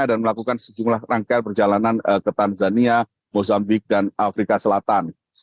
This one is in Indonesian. dan melakukan sejumlah rangkaian perjalanan ke tanzania mozambik dan afrika selatan